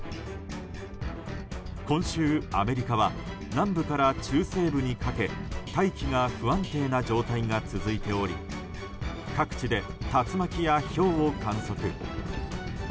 今週、アメリカは南部から中西部にかけ大気が不安定な状態が続いており各地で、竜巻やひょうを観測。